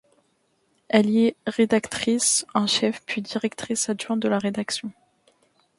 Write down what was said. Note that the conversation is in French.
Elle y est rédactrice en chef puis directrice adjointe de la rédaction.